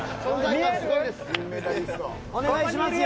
お願いしますよ。